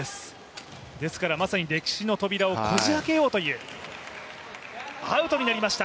ですから、まさに歴史の扉をこじあけようというアウトになりました。